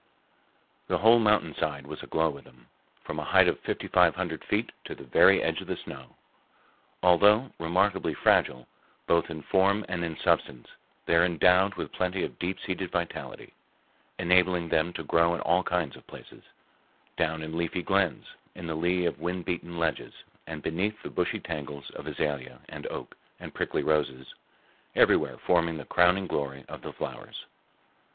The whole mountainside was aglow with them, from a height of fifty five hundred feet to the very edge of the snow. Although remarkably fragile, both in form and in substance, they are endowed with plenty of deep seated vitality, enabling them to grow in all kinds of places—down in leafy glens, in the lee of wind beaten ledges, and beneath the brushy tangles of azalea, and oak, and prickly roses—everywhere forming the crowning glory of the flowers.